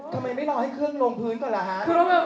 ทำไมไม่รอให้เครื่องลงพื้นก่อนล่ะฮะ